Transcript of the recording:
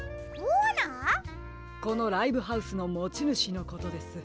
このライブハウスのもちぬしのことです。